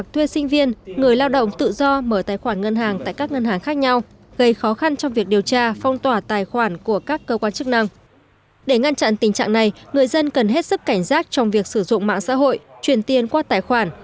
trong trạng tình trạng này người dân cần hết sức cảnh giác trong việc sử dụng mạng xã hội truyền tiền qua tài khoản